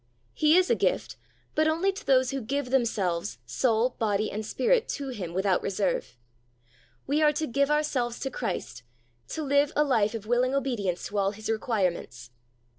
He is a gift, but only to those who give themselves, soul, body, and spirit, to Him without reserve. We are to give ourselves to Christ, to live a life of willing obedience to all His requirements.